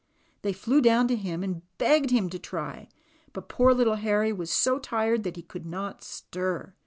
They flew down to him and begged him to try; but poor little Harry was so tired that he could not stir.